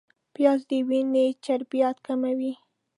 پیاز د وینې چربیات کموي